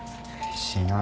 しない。